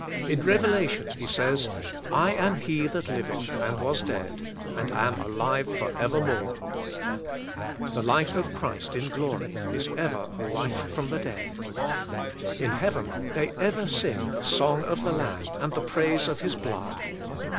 In Revelation He says, "I am He that liveth and was dead, and am alive for evermore." The life of Christ in g"lory is ever a life from the dead. In heaven they ever sing the song of the Lamb and the praise of His blood.